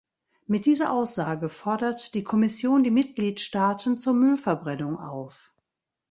Mit dieser Aussage fordert die Kommission die Mitgliedstaaten zur Müllverbrennung auf.